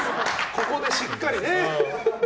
ここでしっかりね。